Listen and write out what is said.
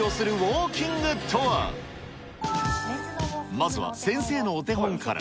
まずは先生のお手本から。